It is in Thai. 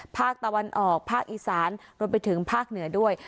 ภาคตะวันออกภาคอีสานรวมไปถึงภาคเหนือด้วย